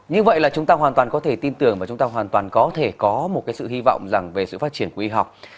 như vậy là chúng ta hoàn toàn có thể tin tưởng và chúng ta hoàn toàn có thể có một cái sự hy vọng rằng về sự phát triển của y học